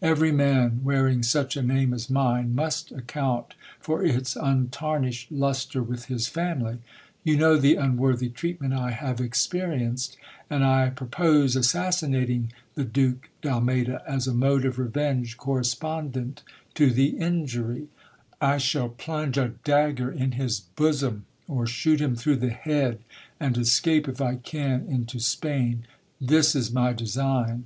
Every man, wearing such a name as mine, must account for its untarnished lustre with his family. You know the unworthy treatment I have experienced ; and I purpose assassinating the JDuke d'Almeyda, as a mode of revenge correspondent to the injury. I shall plunge a dagger in his bosom, or shoot him through the head, and escape, if I can, into Spain. This is my design.